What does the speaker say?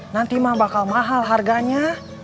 nanti mah bakal mahal harganya